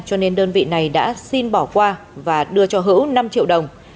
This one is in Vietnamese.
cho nên đơn vị này đã xin bỏ qua và đưa cho hữu năm triệu đồng